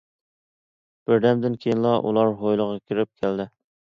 بىردەمدىن كېيىنلا ئۇلار ھويلىغا كىرىپ كەلدى.